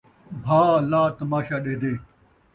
بھاء لا تماشا ݙیہدے